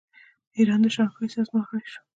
ایران د شانګهای سازمان غړی شو.